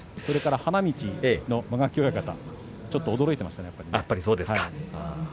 花道の間垣親方にちょっと驚いていましたね、やっぱり。